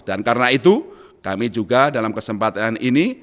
dan karena itu kami juga dalam kesempatan ini